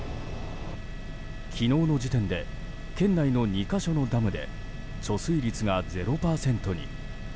昨日の時点で県内の２か所のダムで貯水率が０％に。